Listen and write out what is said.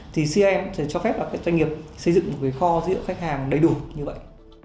thì cim sẽ cho phép cho doanh nghiệp xây dựng một cái kho giữa khách hàng đầy đủ như vậy